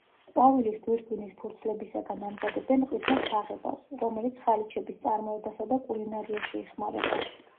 ყვავილის გვირგვინის ფურცლებისაგან ამზადებენ ყვითელ საღებავს, რომელიც ხალიჩების წარმოებასა და კულინარიაში იხმარება.